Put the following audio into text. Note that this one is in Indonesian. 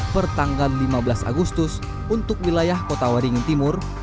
pertanggal lima belas agustus untuk wilayah kota waringin timur